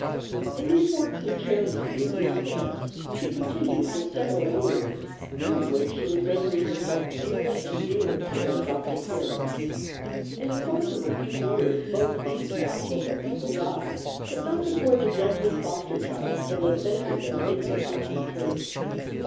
In these works of charity and usefulness she continued for several years, during which she was rendering herself dearer and dearer to her adopted parents. In the course of a few years both these estimable people died, but not before the gentle foster child had led both of them into the Catholic Church.